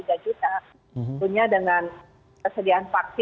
tentunya dengan kesediaan vaksin